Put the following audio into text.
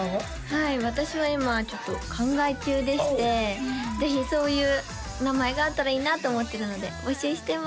はい私は今ちょっと考え中でしてぜひそういう名前があったらいいなと思ってるので募集してます